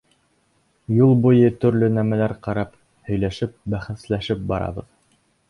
Юл буйына төрлө нәмәләр ҡарап, һөйләшеп-бәхәсләшеп барабыҙ.